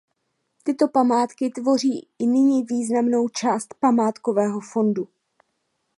Tyto památky tvoří i nyní významnou část památkového fondu.